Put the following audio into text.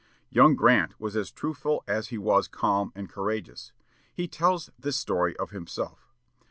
Young Grant was as truthful as he was calm and courageous. He tells this story of himself.